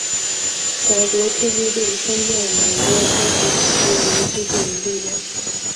法国突击队空降老挝开始组织游击队力量。